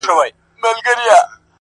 د حق د لېونیو نندارې ته ځي وګري!!